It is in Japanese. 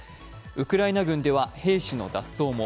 ウクライナ軍では兵士の脱走も。